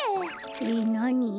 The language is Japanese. えっなに？